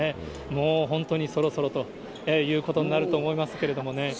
もう本当にそろそろということになると思いますけれどもね。